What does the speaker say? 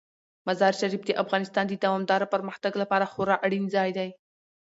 مزارشریف د افغانستان د دوامداره پرمختګ لپاره خورا اړین ځای دی.